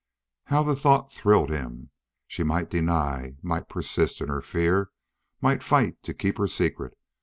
How the thought thrilled him! She might deny, might persist in her fear, might fight to keep her secret.